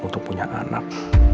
untuk punya anak